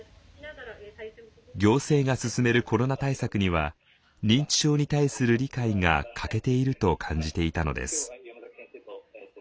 行政が進めるコロナ対策には認知症に対する理解が欠けていると感じていたのです。